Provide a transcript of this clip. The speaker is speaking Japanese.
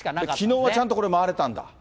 きのうは、ちゃんとこれ回れたんだ。